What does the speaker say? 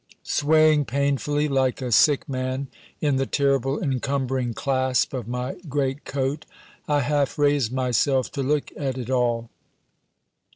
Swaying painfully, like a sick man, in the terrible encumbering clasp of my greatcoat, I half raise myself to look at it all.